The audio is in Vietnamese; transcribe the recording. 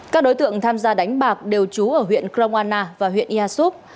các đối tượng tham gia đánh bạc đều trú ở huyện cromana và huyện iasup